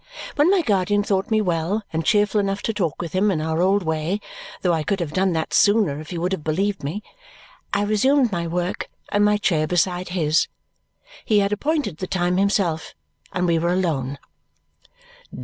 When my guardian thought me well and cheerful enough to talk with him in our old way though I could have done that sooner if he would have believed me I resumed my work and my chair beside his. He had appointed the time himself, and we were alone.